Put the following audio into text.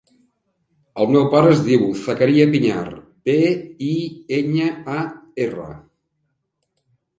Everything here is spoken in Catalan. El meu pare es diu Zakaria Piñar: pe, i, enya, a, erra.